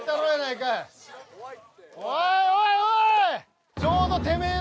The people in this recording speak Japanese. いおいおいおい！